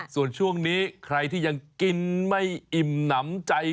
ส่วนช่วงนี้ใครที่ยังกินไม่อิ่มหนำใจ